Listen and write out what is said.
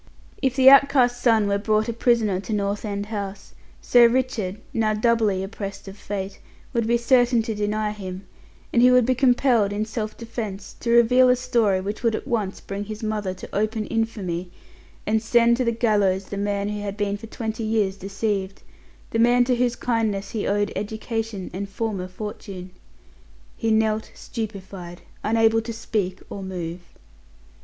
If the outcast son were brought a prisoner to North End House, Sir Richard now doubly oppressed of fate would be certain to deny him; and he would be compelled, in self defence, to reveal a story which would at once bring his mother to open infamy, and send to the gallows the man who had been for twenty years deceived the man to whose kindness he owed education and former fortune. He knelt, stupefied, unable to speak or move.